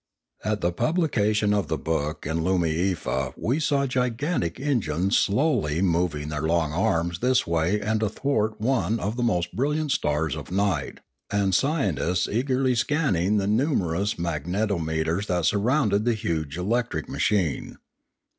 At the publication of the book in Loomiefa we saw gigantic engines slowly moving their long arms this way and that athwart one of the most brilliant stars of night, and scientists eagerly scanning the numerous magnetometers that surrounded the huge electric ma chine.